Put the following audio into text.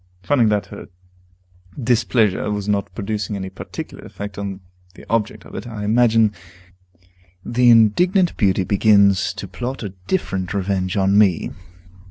Finding that her displeasure was not producing any particular effect upon the object of it, I imagine the indignant beauty begins to plot a different revenge on me.